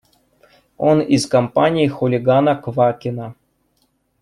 Он из компании хулигана Квакина.